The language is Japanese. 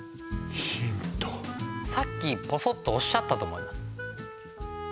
ヒントさっきぽそっとおっしゃったと思います